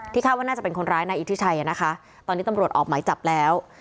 คาดว่าน่าจะเป็นคนร้ายนายอิทธิชัยนะคะตอนนี้ตำรวจออกหมายจับแล้ว